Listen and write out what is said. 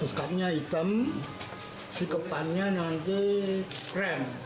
beskapnya hitam sikepannya nanti krem